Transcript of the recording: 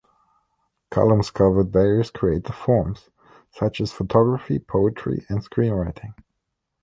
Columns covered various creative forms, such as photography, poetry, and screenwriting.